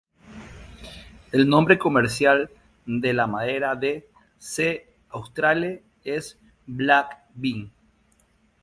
El nombre comercial de la madera de "C. australe" es "black bean".